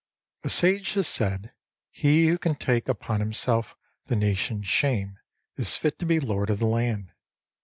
A Sage has said : "He who can take upon himself the nation's shame is fit to be lord of the land.